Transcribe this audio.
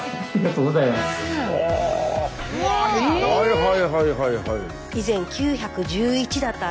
はいはいはいはい。